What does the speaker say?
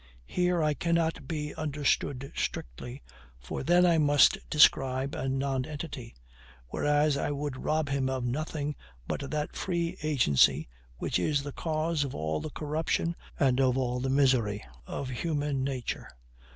Here I cannot be understood strictly; for then I must describe a nonentity, whereas I would rob him of nothing but that free agency which is the cause of all the corruption and of all the misery of human nature.